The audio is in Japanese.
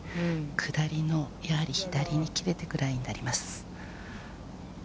下りのやはり左に切れていくラインになりますね。